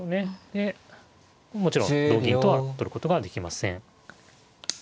もちろん同銀とは取ることができません。